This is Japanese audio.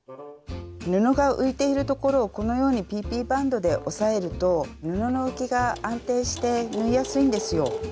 布が浮いているところをこのようにＰＰバンドで押さえると布の浮きが安定して縫いやすいんですよ。